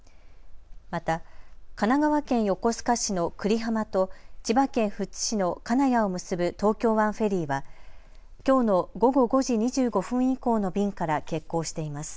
また神奈川県横須賀市の久里浜と千葉県富津市の金谷を結ぶ東京湾フェリーはきょうの午後５時２５分以降の便から欠航しています。